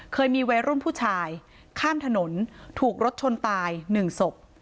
เคยมีวัยรุ่นผู้ชายข้ามถนนถูกรถชนตายหนึ่งศพ